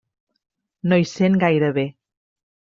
No hi sent gaire bé.